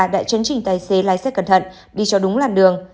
đã chấn trình tài xế lái xe cẩn thận đi cho đúng làn đường